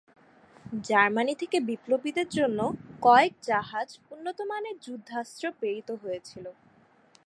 Germany থেকে বিপ্লবীদের জন্য কয়েক জাহাজ উন্নত মানের যুদ্ধাস্ত্র প্রেরিত হয়েছিল।